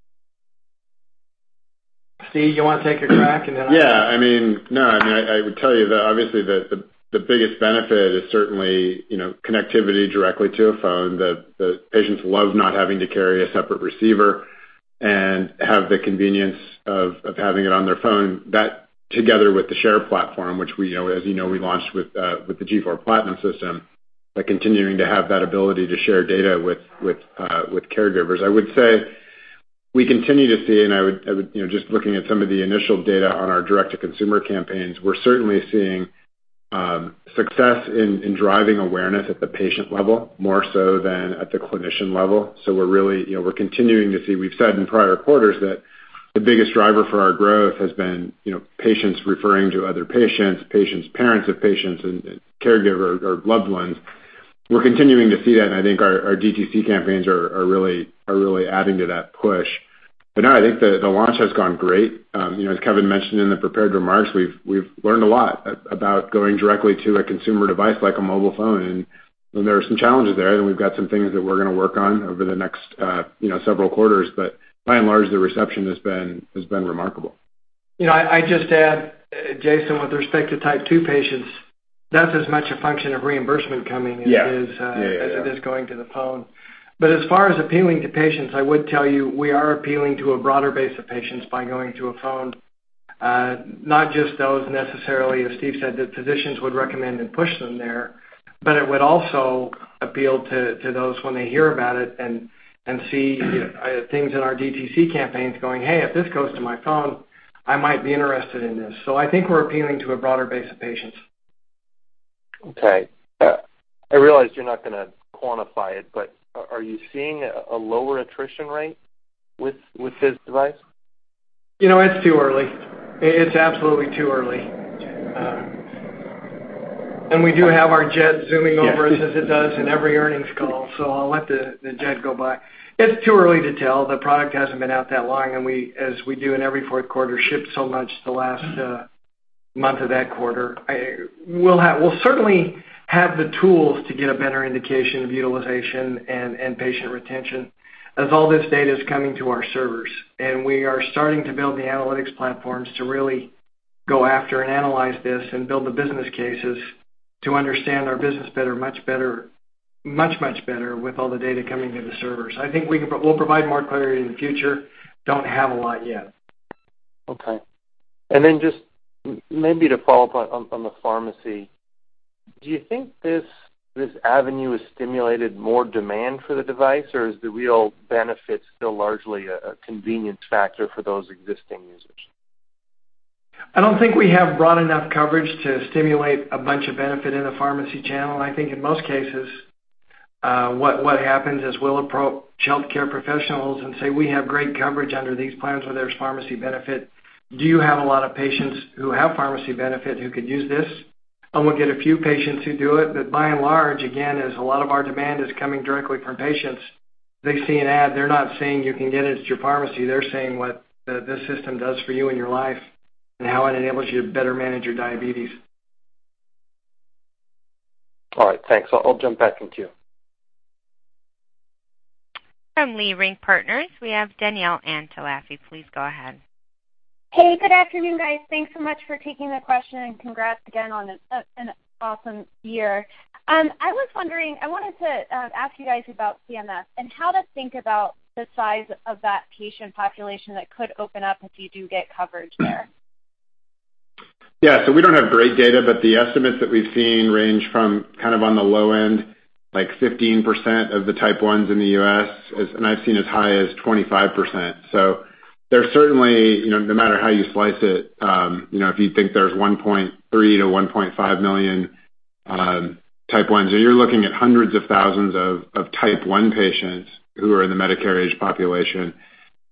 Steve, you wanna take a crack, and then I can. I would tell you that obviously, the biggest benefit is certainly, you know, connectivity directly to a phone, that the patients love not having to carry a separate receiver and have the convenience of having it on their phone. That together with the Share platform, which we know, as you know, we launched with the G4 Platinum system, by continuing to have that ability to share data with caregivers. I would say we continue to see, and I would, you know, just looking at some of the initial data on our direct-to-consumer campaigns, we're certainly seeing success in driving awareness at the patient level, more so than at the clinician level. We're really, you know, we're continuing to see. We've said in prior quarters that the biggest driver for our growth has been, you know, patients referring to other patients, parents of patients and caregivers or loved ones. We're continuing to see that, and I think our DTC campaigns are really adding to that push. No, I think the launch has gone great. You know, as Kevin mentioned in the prepared remarks, we've learned a lot about going directly to a consumer device like a mobile phone, and there are some challenges there, and we've got some things that we're gonna work on over the next, you know, several quarters. By and large, the reception has been remarkable. You know, I just add, Jayson, with respect to type 2 patients, that's as much a function of reimbursement coming. Yeah. As it is going to the phone. As far as appealing to patients, I would tell you, we are appealing to a broader base of patients by going to a phone, not just those necessarily, as Steve said, that physicians would recommend and push them there, but it would also appeal to those when they hear about it and see things in our DTC campaigns going, "Hey, if this goes to my phone, I might be interested in this." I think we're appealing to a broader base of patients. Okay. I realize you're not gonna quantify it, but are you seeing a lower attrition rate with this device? You know, it's too early. It's absolutely too early. We do have our jet zooming over us as it does in every earnings call. I'll let the jet go by. It's too early to tell. The product hasn't been out that long, and we, as we do in every fourth quarter, ship so much the last month of that quarter. We'll certainly have the tools to get a better indication of utilization and patient retention as all this data is coming to our servers. We are starting to build the analytics platforms to really go after and analyze this and build the business cases to understand our business better, much better with all the data coming to the servers. We'll provide more clarity in the future. Don't have a lot yet. Okay. Just maybe to follow up on the pharmacy, do you think this avenue has stimulated more demand for the device, or is the real benefit still largely a convenience factor for those existing users? I don't think we have broad enough coverage to stimulate a bunch of benefit in a pharmacy channel. I think in most cases, what happens is we'll approach healthcare professionals and say, "We have great coverage under these plans where there's pharmacy benefit. Do you have a lot of patients who have pharmacy benefit who could use this?" We'll get a few patients who do it. By and large, again, as a lot of our demand is coming directly from patients. They see an ad, they're not saying you can get it at your pharmacy. They're saying what this system does for you in your life and how it enables you to better manage your diabetes. All right. Thanks. I'll jump back in queue. From Leerink Partners, we have Danielle Antalffy. Please go ahead. Hey, good afternoon, guys. Thanks so much for taking the question, and congrats again on an awesome year. I wanted to ask you guys about CMS and how to think about the size of that patient population that could open up if you do get coverage there. Yeah. We don't have great data, but the estimates that we've seen range from kind of on the low end, like 15% of the type 1s in the U.S., and I've seen as high as 25%. There's certainly, you know, no matter how you slice it, you know, if you think there's 1.3-1.5 million type 1s. You're looking at hundreds of thousands of type 1 patients who are in the Medicare age population.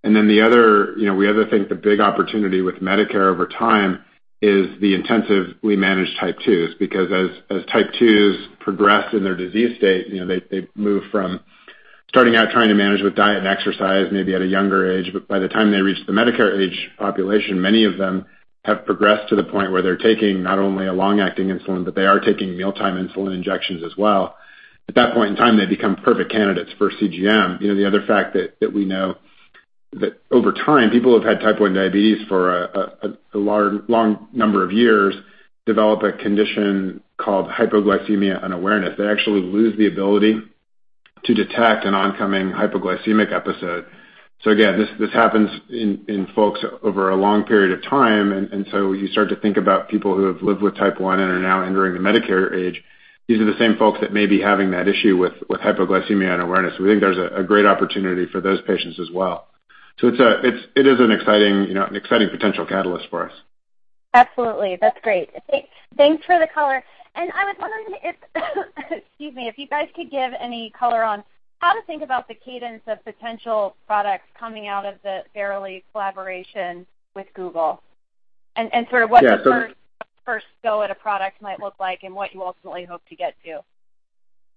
Then the other, you know, we also think the big opportunity with Medicare over time is the intensively managed type 2s, because as type 2s progress in their disease state, you know, they move from starting out trying to manage with diet and exercise maybe at a younger age. By the time they reach the Medicare age population, many of them have progressed to the point where they're taking not only a long-acting insulin, but they are taking mealtime insulin injections as well. At that point in time, they become perfect candidates for CGM. You know, the other fact that we know that over time, people who have had type 1 diabetes for a long number of years develop a condition called hypoglycemia unawareness. They actually lose the ability to detect an oncoming hypoglycemic episode. Again, this happens in folks over a long period of time. You start to think about people who have lived with type 1 and are now entering the Medicare age. These are the same folks that may be having that issue with hypoglycemia unawareness. We think there's a great opportunity for those patients as well. It is an exciting, you know, potential catalyst for us. Absolutely. That's great. Thanks. Thanks for the color. I was wondering if, excuse me, you guys could give any color on how to think about the cadence of potential products coming out of the Verily collaboration with Google? Yeah. The first go at a product might look like and what you ultimately hope to get to?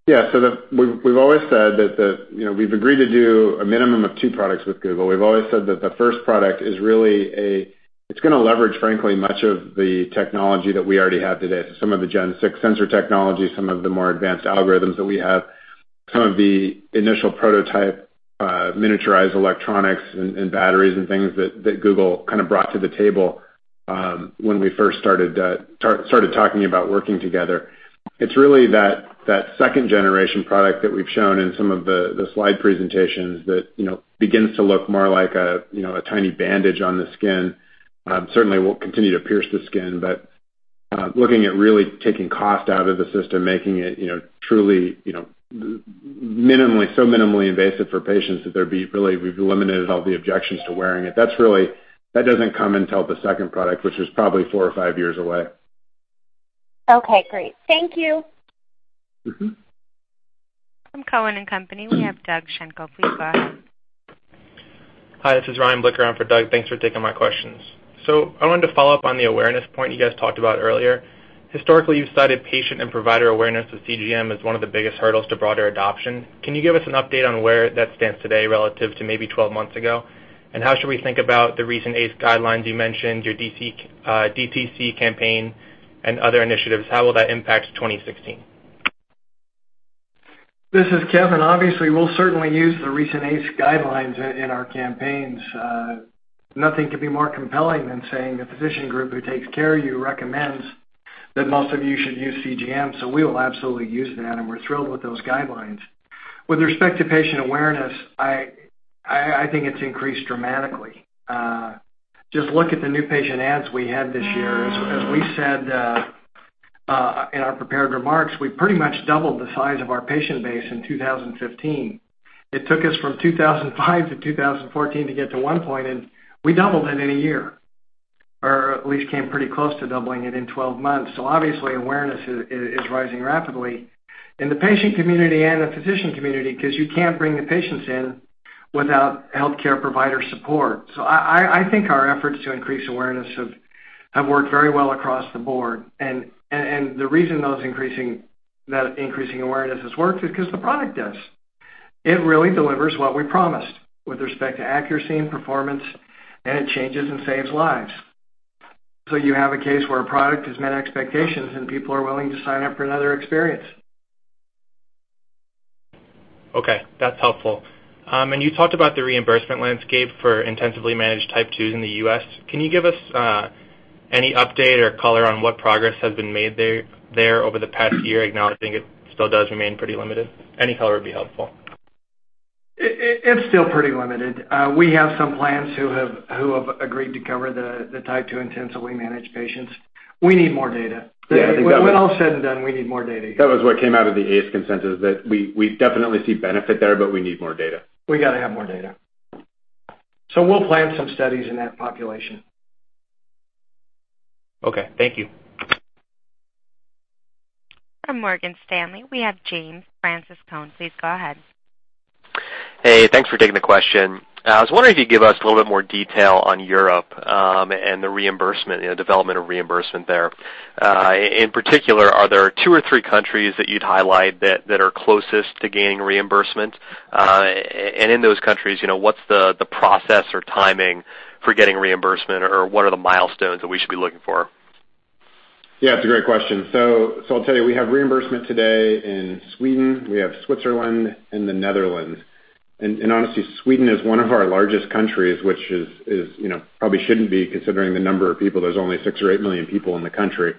Yeah. We've always said that the, you know, we've agreed to do a minimum of two products with Google. We've always said that the first product is really it's gonna leverage, frankly, much of the technology that we already have today. Some of the Gen 6 sensor technology, some of the more advanced algorithms that we have, some of the initial prototype miniaturized electronics and batteries and things that Google kind of brought to the table when we first started talking about working together. It's really that second generation product that we've shown in some of the slide presentations that, you know, begins to look more like a, you know, a tiny bandage on the skin. Certainly we'll continue to pierce the skin, but looking at really taking cost out of the system, making it, you know, truly, you know, minimally invasive for patients that there'd be really, we've eliminated all the objections to wearing it. That's really, that doesn't come until the second product, which is probably four or five years away. Okay, great. Thank you. Mm-hmm. From Cowen and Company, we have Doug Schenkel. Please go ahead. Hi, this is Ryan Blicker on for Doug. Thanks for taking my questions. I wanted to follow up on the awareness point you guys talked about earlier. Historically, you've cited patient and provider awareness of CGM as one of the biggest hurdles to broader adoption. Can you give us an update on where that stands today relative to maybe 12 months ago? How should we think about the recent AACE guidelines you mentioned, your DTC campaign and other initiatives? How will that impact 2016? This is Kevin. Obviously, we'll certainly use the recent AACE guidelines in our campaigns. Nothing could be more compelling than saying the physician group who takes care of you recommends that most of you should use CGM. We will absolutely use that, and we're thrilled with those guidelines. With respect to patient awareness, I think it's increased dramatically. Just look at the new patient ads we had this year. As we said in our prepared remarks, we pretty much doubled the size of our patient base in 2015. It took us from 2005 to 2014 to get to one point, and we doubled it in a year or at least came pretty close to doubling it in 12 months. Obviously, awareness is rising rapidly in the patient community and the physician community because you can't bring the patients in without healthcare provider support. I think our efforts to increase awareness have worked very well across the board. The reason that increasing awareness has worked is 'cause the product does. It really delivers what we promised with respect to accuracy and performance, and it changes and saves lives. You have a case where a product has met expectations and people are willing to sign up for another experience. Okay, that's helpful. You talked about the reimbursement landscape for intensively managed type 2s in the U.S. Can you give us any update or color on what progress has been made there over the past year, acknowledging it still does remain pretty limited? Any color would be helpful. It's still pretty limited. We have some plans who have agreed to cover the type 2 intensively managed patients. We need more data. Yeah, I think that was. When all is said and done, we need more data. That was what came out of the AACE consensus, that we definitely see benefit there, but we need more data. We gotta have more data. We'll plan some studies in that population. Okay. Thank you. From Morgan Stanley, we have James Francescone. Please go ahead. Hey, thanks for taking the question. I was wondering if you could give us a little bit more detail on Europe and the reimbursement, you know, development of reimbursement there. In particular, are there two or three countries that you'd highlight that are closest to gaining reimbursement? In those countries, you know, what's the process or timing for getting reimbursement, or what are the milestones that we should be looking for? Yeah, it's a great question. So I'll tell you, we have reimbursement today in Sweden. We have Switzerland and the Netherlands. Honestly, Sweden is one of our largest countries, which is, you know, probably shouldn't be considering the number of people. There's only 6 or 8 million people in the country.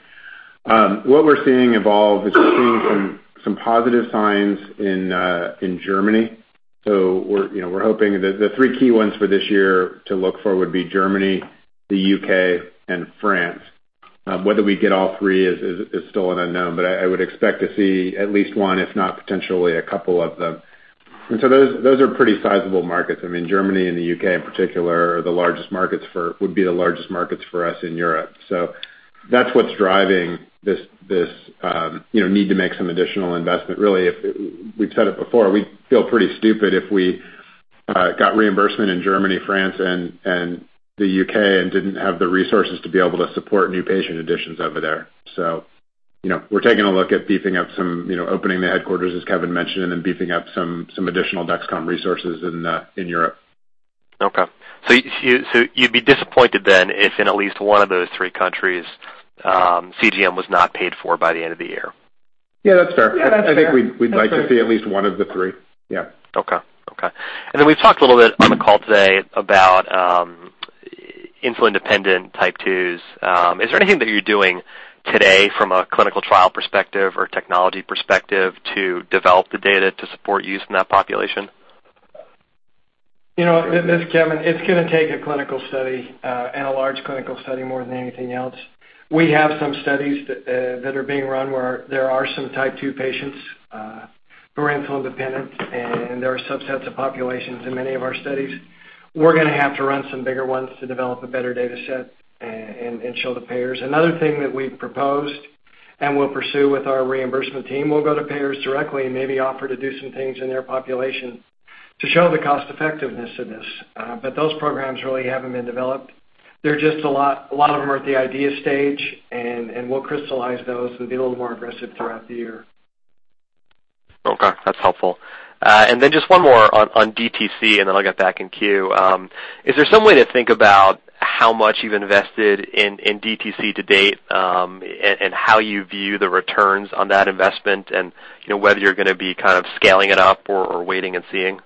What we're seeing evolve is we're seeing some positive signs in Germany. We're hoping the three key ones for this year to look for would be Germany, the U.K., and France. Whether we get all three is still an unknown, but I would expect to see at least one, if not potentially a couple of them. Those are pretty sizable markets. I mean, Germany and the U.K. in particular are the largest markets for us in Europe. That's what's driving this, you know, need to make some additional investment. Really, we've said it before, we'd feel pretty stupid if we got reimbursement in Germany, France, and the U.K. and didn't have the resources to be able to support new patient additions over there. You know, we're taking a look at beefing up some, you know, opening the headquarters, as Kevin mentioned, and then beefing up some additional Dexcom resources in Europe. Okay. You'd be disappointed then if in at least one of those three countries, CGM was not paid for by the end of the year? Yeah, that's fair. Yeah, that's fair. I think we'd like to see at least one of the three. Yeah. Okay. We've talked a little bit on the call today about insulin-dependent type 2s. Is there anything that you're doing today from a clinical trial perspective or technology perspective to develop the data to support use in that population? You know, this is Kevin. It's gonna take a clinical study and a large clinical study more than anything else. We have some studies that are being run where there are some type 2 patients who are insulin dependent, and there are subsets of populations in many of our studies. We're gonna have to run some bigger ones to develop a better data set and show the payers. Another thing that we've proposed and we'll pursue with our reimbursement team, we'll go to payers directly and maybe offer to do some things in their population to show the cost effectiveness of this. Those programs really haven't been developed. They're just a lot of them are at the idea stage, and we'll crystallize those. We'll be a little more aggressive throughout the year. Okay, that's helpful. Just one more on DTC, and then I'll get back in queue. Is there some way to think about how much you've invested in DTC to date, and how you view the returns on that investment, you know, whether you're gonna be kind of scaling it up or waiting and seeing?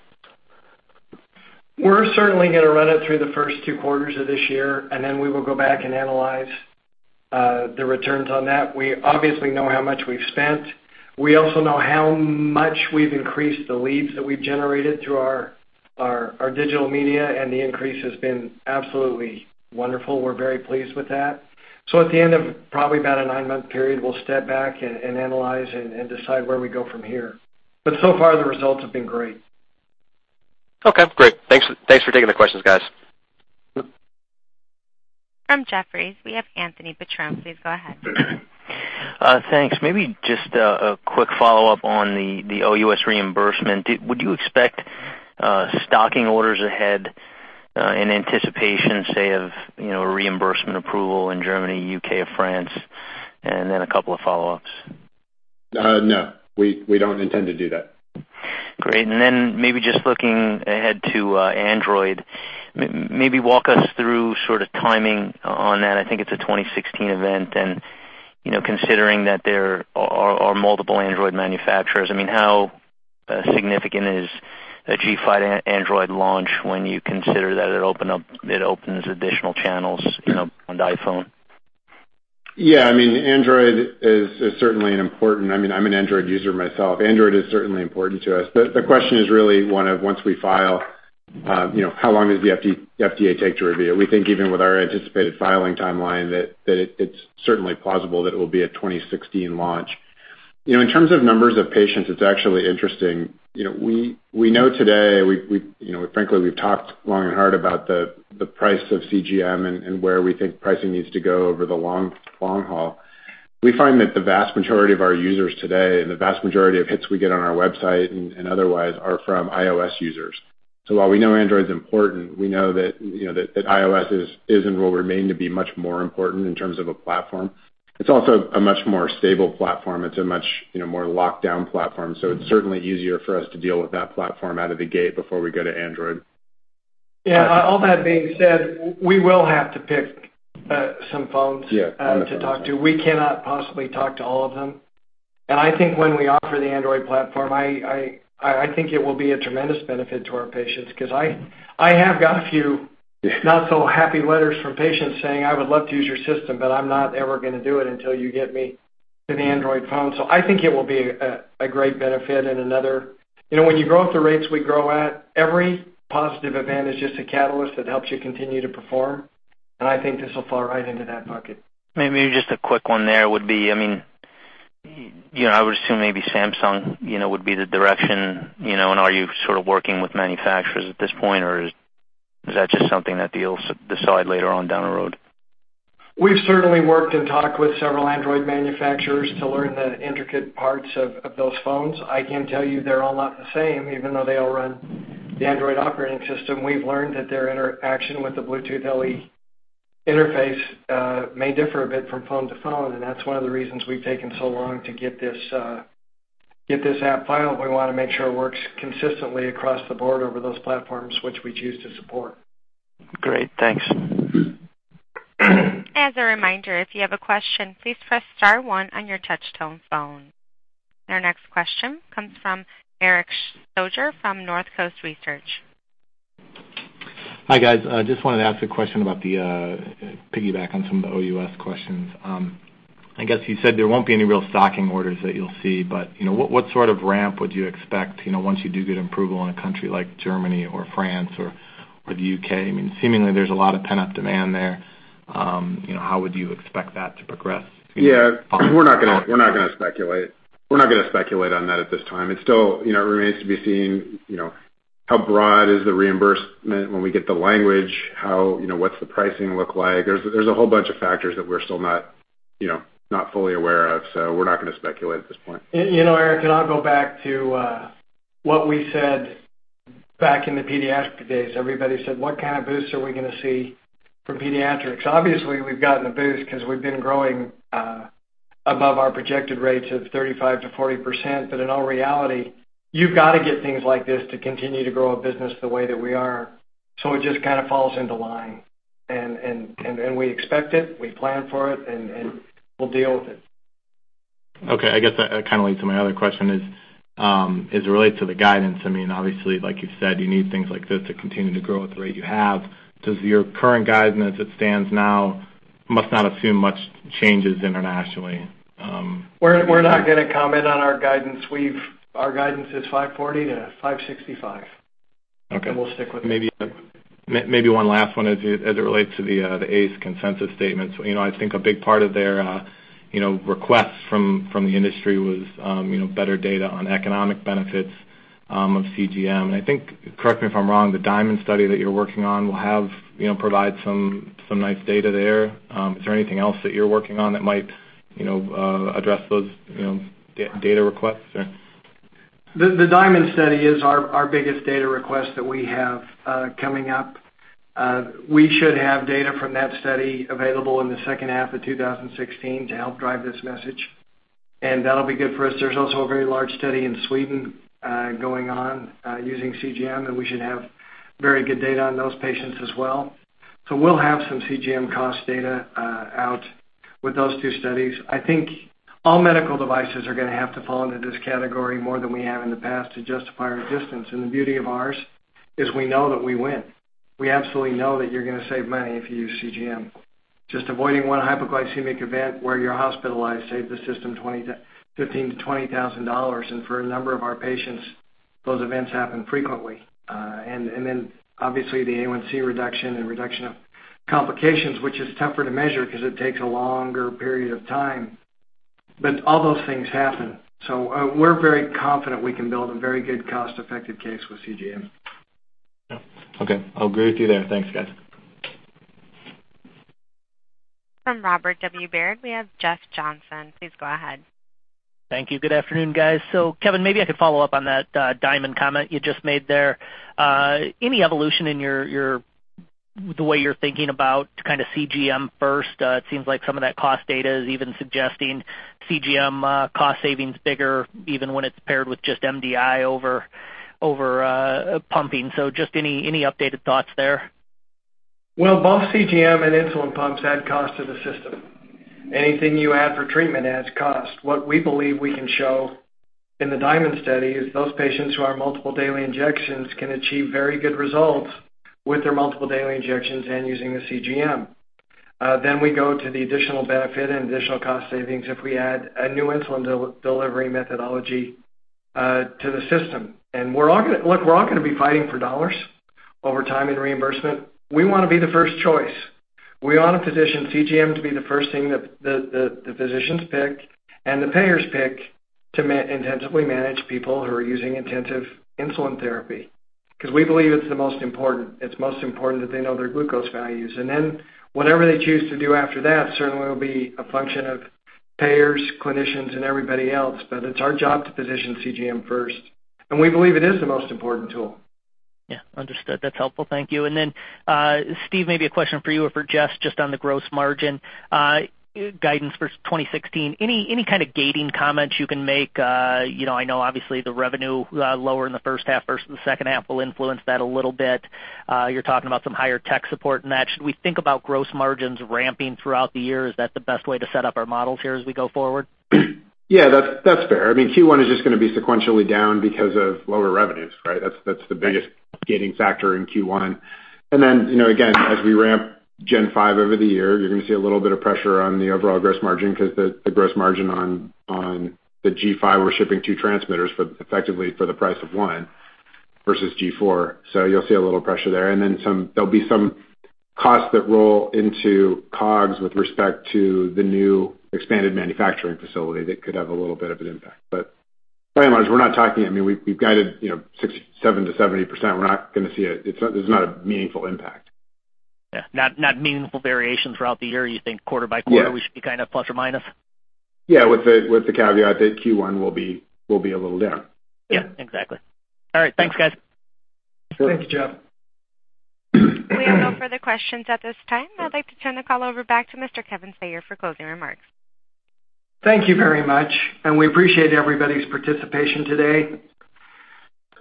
We're certainly gonna run it through the first two quarters of this year, and then we will go back and analyze the returns on that. We obviously know how much we've spent. We also know how much we've increased the leads that we've generated through our digital media, and the increase has been absolutely wonderful. We're very pleased with that. At the end of probably about a nine-month period, we'll step back and analyze and decide where we go from here. So far, the results have been great. Okay, great. Thanks for taking the questions, guys. From Jefferies, we have Anthony Petrone. Please go ahead. Thanks. Maybe just a quick follow-up on the OUS reimbursement. Would you expect stocking orders ahead in anticipation, say, of you know, reimbursement approval in Germany, U.K., or France? Then a couple of follow-ups. No, we don't intend to do that. Great. Maybe just looking ahead to Android. Maybe walk us through sort of timing on that. I think it's a 2016 event. Considering that there are multiple Android manufacturers, how significant is a G5 Android launch when you consider that it opens additional channels on the iPhone? Yeah, I mean, Android is certainly an important. I mean, I'm an Android user myself. Android is certainly important to us. The question is really one of, once we file, you know, how long does the FDA take to review? We think even with our anticipated filing timeline that it's certainly plausible that it will be a 2016 launch. You know, in terms of numbers of patients, it's actually interesting. You know, we, you know, frankly, we've talked long and hard about the price of CGM and where we think pricing needs to go over the long, long haul. We find that the vast majority of our users today and the vast majority of hits we get on our website and otherwise are from iOS users. While we know Android is important, we know that, you know, that iOS is and will remain to be much more important in terms of a platform. It's also a much more stable platform. It's a much, you know, more locked down platform. It's certainly easier for us to deal with that platform out of the gate before we go to Android. Yeah. All that being said, we will have to pick some phones. Yeah. To talk to. We cannot possibly talk to all of them. I think when we offer the Android platform, I think it will be a tremendous benefit to our patients 'cause I have got a few not so happy letters from patients saying, "I would love to use your system, but I'm not ever gonna do it until you get me to the Android phone." I think it will be a great benefit and another. You know, when you grow at the rates we grow at, every positive event is just a catalyst that helps you continue to perform, and I think this will fall right into that bucket. Maybe just a quick one. There would be, I mean, you know, I would assume maybe Samsung, you know, would be the direction, you know. Are you sort of working with manufacturers at this point, or is that just something that you'll decide later on down the road? We've certainly worked and talked with several Android manufacturers to learn the intricate parts of those phones. I can tell you they're all not the same, even though they all run the Android operating system. We've learned that their interaction with the Bluetooth LE interface may differ a bit from phone to phone, and that's one of the reasons we've taken so long to get this app filed. We wanna make sure it works consistently across the board over those platforms which we choose to support. Great. Thanks. As a reminder, if you have a question, please press star one on your touch tone phone. Our next question comes from Erik Shoger from Northcoast Research. Hi, guys. I just wanted to ask a question about the piggyback on some of the OUS questions. I guess you said there won't be any real stocking orders that you'll see, but you know, what sort of ramp would you expect, you know, once you do get approval in a country like Germany or France or the U.K.? I mean, seemingly there's a lot of pent-up demand there. You know, how would you expect that to progress? Yeah. We're not gonna speculate. We're not gonna speculate on that at this time. It's still, you know, it remains to be seen, you know, how broad is the reimbursement when we get the language, you know, what's the pricing look like? There's a whole bunch of factors that we're still not, you know, not fully aware of, so we're not gonna speculate at this point. You know, Erik, I'll go back to what we said back in the pediatric days. Everybody said, "What kind of boosts are we gonna see from pediatrics?" Obviously, we've gotten a boost 'cause we've been growing above our projected rates of 35%-40%. In all reality, you've gotta get things like this to continue to grow a business the way that we are. It just kind of falls into line and we expect it, we plan for it, and we'll deal with it. Okay. I guess that kind of leads to my other question is, as it relates to the guidance, I mean, obviously, like you said, you need things like this to continue to grow at the rate you have. Does your current guidance, as it stands now, must not assume much changes internationally? We're not gonna comment on our guidance. Our guidance is $540-$565. Okay. We'll stick with that. Maybe one last one as it relates to the AACE consensus statement. You know, I think a big part of their you know request from the industry was you know better data on economic benefits of CGM. I think, correct me if I'm wrong, the DIaMonD study that you're working on will have you know provide some nice data there. Is there anything else that you're working on that might you know address those you know data requests? The DIaMonD study is our biggest data request that we have coming up. We should have data from that study available in the second half of 2016 to help drive this message. That'll be good for us. There's also a very large study in Sweden going on using CGM, and we should have very good data on those patients as well. We'll have some CGM cost data out with those two studies. I think all medical devices are gonna have to fall into this category more than we have in the past to justify our existence. The beauty of ours is we know that we win. We absolutely know that you're gonna save money if you use CGM. Just avoiding one hypoglycemic event where you're hospitalized saves the system $15,000-$20,000. For a number of our patients, those events happen frequently. Then obviously the A1C reduction and reduction of complications, which is tougher to measure 'cause it takes a longer period of time, but all those things happen. We're very confident we can build a very good cost-effective case with CGM. Yeah. Okay. I'll agree with you there. Thanks, guys. From Robert W. Baird, we have Jeff Johnson. Please go ahead. Thank you. Good afternoon, guys. Kevin, maybe I could follow up on that, DIaMonD comment you just made there. Any evolution in the way you're thinking about to kind of CGM first? It seems like some of that cost data is even suggesting CGM cost savings bigger even when it's paired with just MDI over pumping. Just any updated thoughts there? Well, both CGM and insulin pumps add cost to the system. Anything you add for treatment adds cost. What we believe we can show in the DIaMonD study is those patients who are multiple daily injections can achieve very good results with their multiple daily injections and using the CGM. Then we go to the additional benefit and additional cost savings if we add a new insulin delivery methodology to the system. We're all gonna be fighting for dollars over time in reimbursement. We wanna be the first choice. We wanna position CGM to be the first thing that the physicians pick and the payers pick to intensively manage people who are using intensive insulin therapy. 'Cause we believe it's the most important. It's most important that they know their glucose values. Whatever they choose to do after that certainly will be a function of payers, clinicians, and everybody else. It's our job to position CGM first, and we believe it is the most important tool. Yeah. Understood. That's helpful. Thank you. Steve, maybe a question for you or for Jess just on the gross margin guidance for 2016. Any kind of gating comments you can make? You know, I know obviously the revenue lower in the first half versus the second half will influence that a little bit. You're talking about some higher tech support in that. Should we think about gross margins ramping throughout the year? Is that the best way to set up our models here as we go forward? Yeah. That's fair. I mean, Q1 is just gonna be sequentially down because of lower revenues, right? That's the biggest gating factor in Q1. Then, you know, again, as we ramp G5 over the year, you're gonna see a little bit of pressure on the overall gross margin 'cause the gross margin on the G5, we're shipping two transmitters, but effectively for the price of one versus G4. So you'll see a little pressure there. There'll be some costs that roll into COGS with respect to the new expanded manufacturing facility that could have a little bit of an impact. But by and large, we're not talking. I mean, we've guided, you know, 67%-70%. We're not gonna see. It's not. This is not a meaningful impact. Yeah. Not meaningful variation throughout the year. You think quarter by quarter. Yes. We should be kind of plus or minus? Yeah. With the caveat that Q1 will be a little down. Yeah. Exactly. All right. Thanks, guys. Thank you, Jeff. We have no further questions at this time. I'd like to turn the call over back to Mr. Kevin Sayer for closing remarks. Thank you very much, and we appreciate everybody's participation today.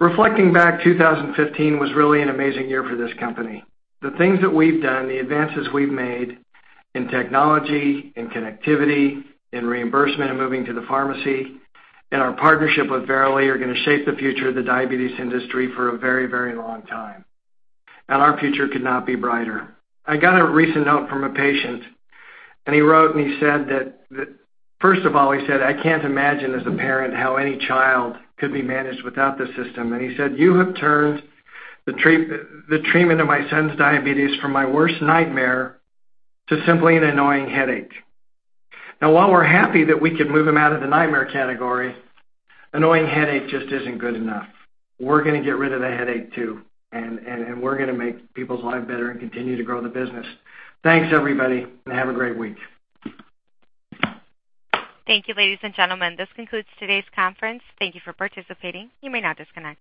Reflecting back, 2015 was really an amazing year for this company. The things that we've done, the advances we've made in technology, in connectivity, in reimbursement and moving to the pharmacy, and our partnership with Verily are gonna shape the future of the diabetes industry for a very, very long time. Our future could not be brighter. I got a recent note from a patient, and he wrote and he said that. First of all, he said, "I can't imagine as a parent how any child could be managed without this system." And he said, "You have turned the treatment of my son's diabetes from my worst nightmare to simply an annoying headache." Now, while we're happy that we could move him out of the nightmare category, annoying headache just isn't good enough. We're gonna get rid of the headache, too, and we're gonna make people's lives better and continue to grow the business. Thanks, everybody, and have a great week. Thank you, ladies and gentlemen. This concludes today's conference. Thank you for participating. You may now disconnect.